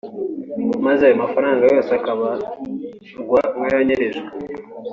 maze ayo mafaranga yose akabarwa nk’ayanyerejwe